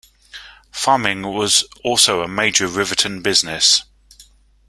Farming was also a major Riverton business.